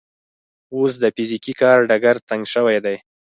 اوس د فزیکي کار ډګر تنګ شوی دی.